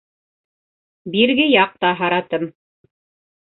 Бирге яҡта һаратым.